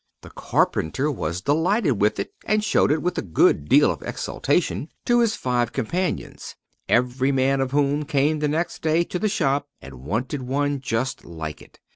The carpenter was delighted with it, and showed it, with a good deal of exultation, to his five companions; every man of whom came the next day to the shop and wanted one just like it.